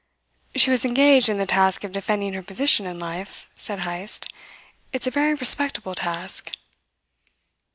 "She was engaged in the task of defending her position in life," said Heyst. "It's a very respectable task."